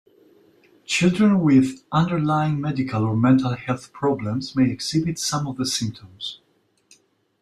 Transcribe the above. Children with underlying medical or mental health problems may exhibit some of the symptoms.